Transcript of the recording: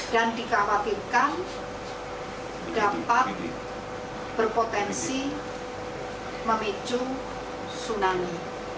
dan dikhawatirkan dapat berpotensi memicu tsunami